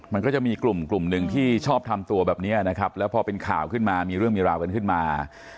มันก็จะมีกลุ่มกลุ่มหนึ่งที่ชอบทำตัวแบบนี้นะครับแล้วพอเป็นข่าวขึ้นมามีเรื่องมีราวกันขึ้นมา